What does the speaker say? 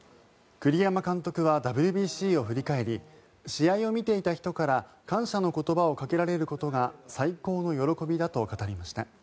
栗山監督はＷＢＣを振り返り試合を見ていた人から感謝の言葉をかけられることが最高の喜びだと語りました。